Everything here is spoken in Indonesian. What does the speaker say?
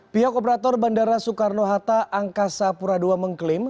pihak operator bandara soekarno hatta angkasa pura ii mengklaim